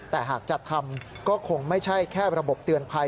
แต่หากจัดทำก็คงไม่ใช่แค่ระบบเตือนภัย